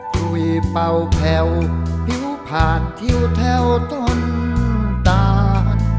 คุยเป่าแผ่วผิวผ่านทิวแถวต้นตาล